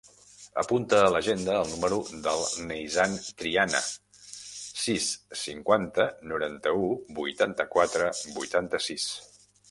Apunta a l'agenda el número del Neizan Triana: sis, cinquanta, noranta-u, vuitanta-quatre, vuitanta-sis.